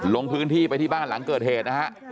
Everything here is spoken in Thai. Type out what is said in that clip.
ลงพื้นที่ไปที่บ้านหลังเกิดเหตุนะฮะ